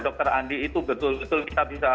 dr andi itu betul betul bisa bisa